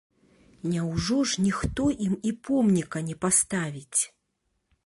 Няўжо ж ніхто ім і помніка не паставіць?